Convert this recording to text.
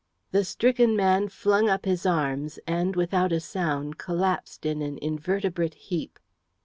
The stricken man flung up his arms, and, without a sound, collapsed in an invertebrate heap.